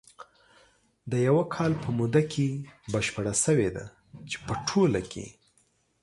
د یوه کال په موده کې بشپره شوې ده، چې په ټوله کې